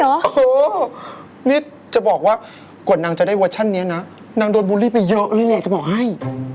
โอ้โหนี่จะบอกว่ากว่านางจะได้เวอร์ชันนี้นะนางโดนบูลลี่ไปเยอะเลยแหละจะบอกให้